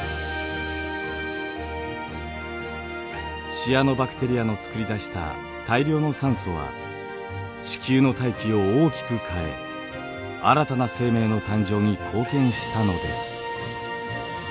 シアノバクテリアのつくり出した大量の酸素は地球の大気を大きく変え新たな生命の誕生に貢献したのです。